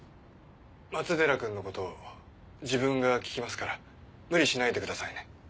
松寺君のこと自分が聞きますから無理しないでくださいね。